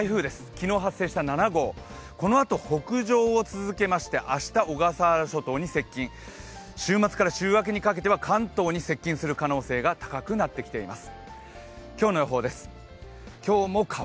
昨日発生した７号、このあと北上を続けまして、明日、小笠原諸島に接近、週末から週明けにかけては関東に接近する可能性が高くなってきています。